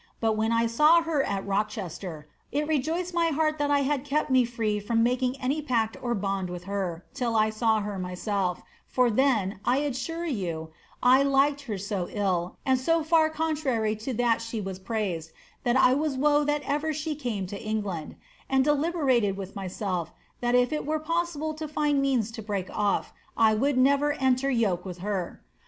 But when I saw her at Rochester, it rejoiced my heart chat I had kept me free from making any pact or bond with her, till 1 saw her myself: for then, 1 adsure you, 1 liked her so ill, and so iu contrary to that she was praised, that I was woe that ever she came lo England ; and deliberated with myself, that if it were possible to find means to break off, 1 would never enter yoke with her.